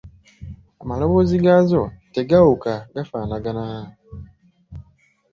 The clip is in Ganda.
"Amaloboozi gaazo tegaawuka, gafaanagana."